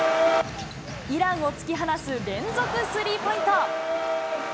イランを突き放す連続スリーポイント。